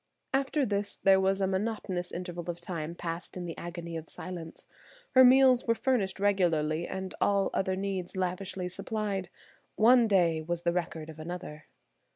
After this there was a monotonous interval of time passed in the agony of silence. Her meals were furnished regularly and all other needs lavishly supplied. One day was the record of another.